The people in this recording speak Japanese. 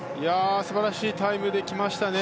素晴らしいタイムで来ましたね。